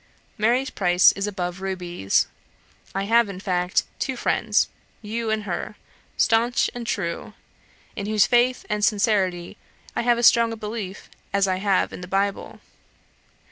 Mary's price is above rubies. I have, in fact, two friends you and her staunch and true, in whose faith and sincerity I have as strong a belief as I have in the Bible.